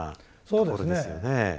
そうですね。